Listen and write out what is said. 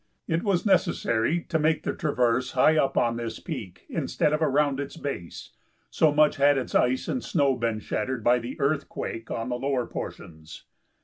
It was necessary to make the traverse high up on this peak instead of around its base, so much had its ice and snow been shattered by the earthquake on the lower portions.